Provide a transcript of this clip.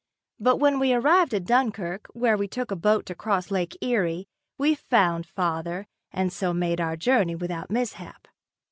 But when we arrived at Dunkirk, where we took boat to cross Lake Erie, we found father, and so made our journey without mishap.